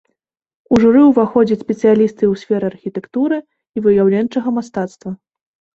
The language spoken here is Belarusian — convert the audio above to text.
У журы ўваходзяць спецыялісты ў сферы архітэктуры і выяўленчага мастацтва.